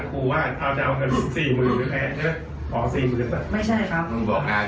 ๑ก้อนสุดท้ายนี้ให้ผมมานอกเอง